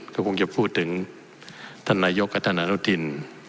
ก็คงจะพูดถึงท่านนายกกับท่านอนุทิน